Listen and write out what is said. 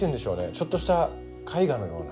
ちょっとした絵画のような。